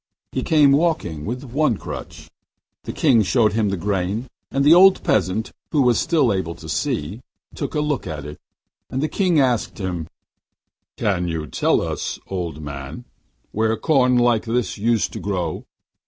He came walking with one crutch. The King showed him the grain, and the old peasant, who was still able to see, took a good look at it. And the King asked him: 'Can you not tell us, old man, where corn like this used to grow?